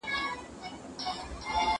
مشران د کارګرانو لپاره څه شرایط ټاکي؟